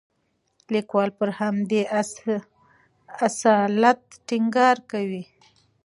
لیکوال پر همدې اصالت ټینګار کوي.